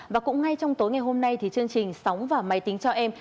và cũng ngay trong tối ngày hôm nay thì chương trình sóng và máy tính cho em